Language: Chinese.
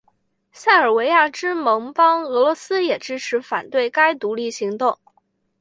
塞尔维亚之盟邦俄罗斯也坚持反对该独立行动。